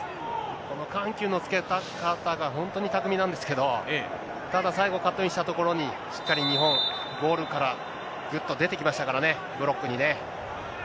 この緩急のつけ方が本当に巧みなんですけど、ただ、最後、カットインしたところに、しっかり日本、ゴールからぐっと出てきましたからね、ブロックにね。